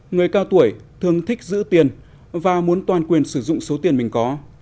người cao tuổi thường thích giữ tiền và muốn toàn quyền sử dụng số tiền mình có